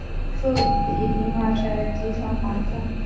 树皮平滑及呈黄色。